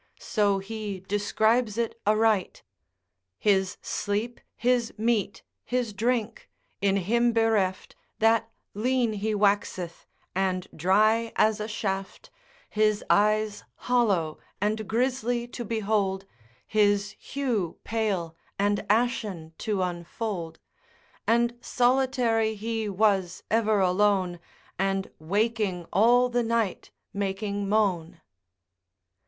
So he describes it aright: His sleep, his meat, his drink, in him bereft, That lean he waxeth, and dry as a shaft, His eyes hollow and grisly to behold, His hew pale and ashen to unfold, And solitary he was ever alone, And waking all the night making moan.